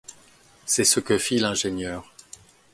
C’est ce que fit l’ingénieur